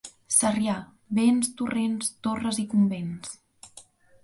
Sarrià: vents, torrents, torres i convents.